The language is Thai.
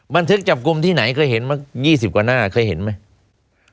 บันทึกจับกลุ่มที่ไหนเคยเห็นมา๒๐กว่าหน้าเคยเห็นไหม